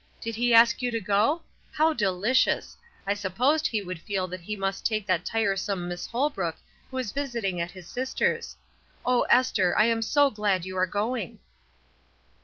Did he ask you to go? How dehcious! I supposed he would feel that he must take that tiresome Miss Holbrook who is visiting at his sister's. Oh, Esther, I am so glad you are going!''